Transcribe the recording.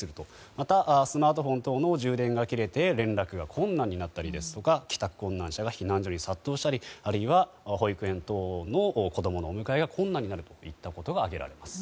また、スマートフォン等の充電が切れて連絡が困難になったり帰宅困難者が避難所に殺到したりあるいは保育園等の子供のお迎えが困難になるということが挙げられます。